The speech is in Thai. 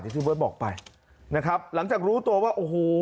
ที่เบิร์ตบอกไปนะครับหลังจากรู้ตัวว่าโอ้โห